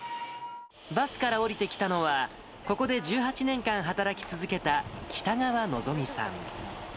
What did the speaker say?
バスから降りてきたのは、ここで１８年間働き続けた北川のぞみさん。